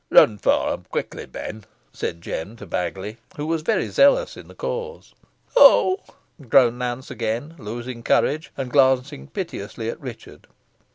"Run fo 'em quickly, Ben," said Jem to Baggiley, who was very zealous in the cause. "Oh!" groaned Nance, again losing courage, and glancing piteously at Richard.